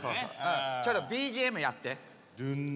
ちょっとＢＧＭやって。